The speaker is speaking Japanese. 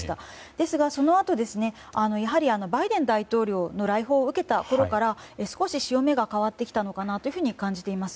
ですが、そのあとやはりバイデン大統領の来訪を受けたころから少し潮目が変わってきたのかなと感じています。